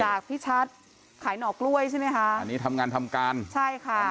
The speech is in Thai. พี่ชัดขายหน่อกล้วยใช่ไหมคะอันนี้ทำงานทำการใช่ค่ะ